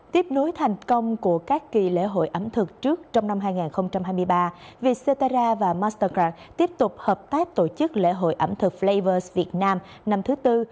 tiếp nối thành công của các kỳ lễ hội ẩm thực trước trong năm hai nghìn hai mươi ba vietterra và mastercard tiếp tục hợp tác tổ chức lễ hội ẩm thực flevers việt nam năm thứ tư